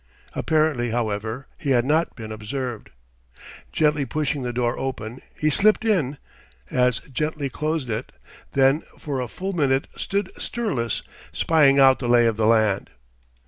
Apparently, however, he had not been observed. Gently pushing the door open, he slipped in, as gently closed it, then for a full minute stood stirless, spying out the lay of the land.